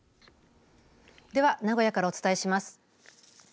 では、名古屋からお伝えします。